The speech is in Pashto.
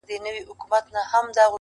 o ورته ښکاري ځان له نورو چي ښاغلی,